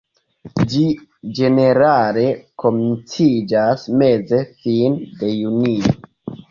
Ĝi ĝenerale komenciĝas meze-fine de junio.